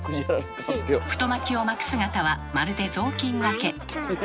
太巻きを巻く姿はまるで雑巾がけ。